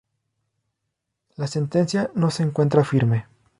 La sentencia no se encuentra firme.